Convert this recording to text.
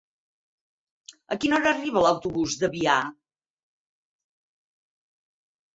A quina hora arriba l'autobús d'Avià?